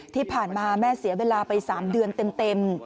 ที่ผ่านมาแม่เสียเวลาไป๓เดือนเต็ม